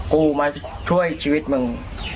กูมาช่วยชีวิตมึง